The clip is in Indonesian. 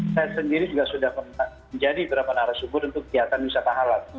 saya sendiri juga sudah pernah menjadi beberapa narasumber untuk kegiatan wisata halal